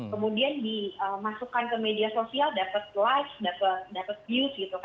kemudian dimasukkan ke media sosial dapat live dapat muse gitu